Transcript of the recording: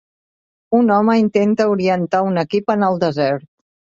Un home intenta orientar un equip en el desert.